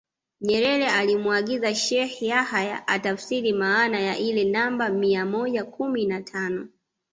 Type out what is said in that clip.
Nyerere alimuagiza Sheikh Yahya atafsiri maana ya ile namba mia moja kumi na tano